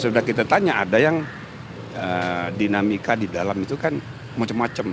sudah kita tanya ada yang dinamika di dalam itu kan macam macam